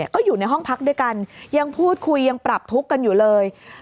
ก็อยู่ในห้องพักด้วยกันยังพูดคุยยังปรับทุกข์กันอยู่เลย